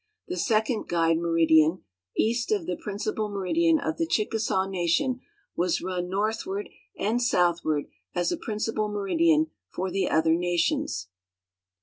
The second guide meridian east of the principal meridian of the Chickasaw nation was run northward and southward as a principal meridian for the other nations.